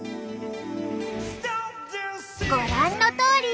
ご覧のとおり。